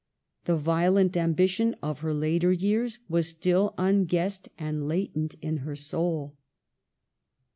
The violent ambition of her later years was still unguessed and latent in her soul.